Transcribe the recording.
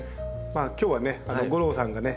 今日はね吾郎さんがね